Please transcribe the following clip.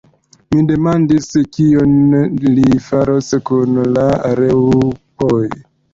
Mi demandis kion li faros kun la raŭpoj.